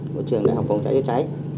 một trường đại học phòng cháy cháy